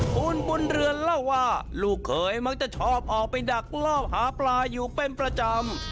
คุณบุญเรือนเล่าว่าลูกเขยมักจะชอบออกไปดักลอบหาปลาอยู่เป็นประจำ